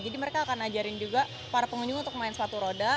jadi mereka akan ajarin juga para pengunjung untuk main sepatu roda